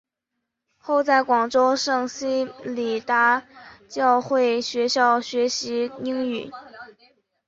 后在广州圣希理达教会学校学习英语。